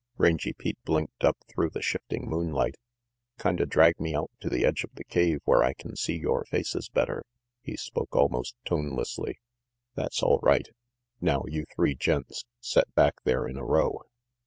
Rangy Pete blinked up through the shifting moonlight. "Kinda drag me out to the edge of the cave where I can see yore faces better," he spoke almost tone lessly. "That's all right. Now, you three gents, set back there in a row.